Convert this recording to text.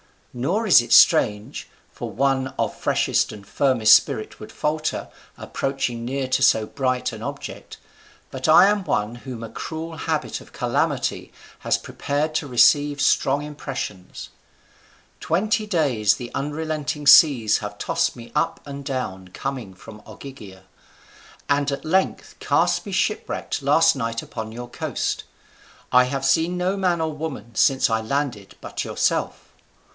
Nor is it strange; for one of freshest and firmest spirit would falter, approaching near to so bright an object: but I am one whom a cruel habit of calamity has prepared to receive strong impressions. Twenty days the unrelenting seas have tossed me up and down coming from Ogygia, and at length cast me shipwrecked last night upon your coast. I have seen no man or woman since I landed but yourself.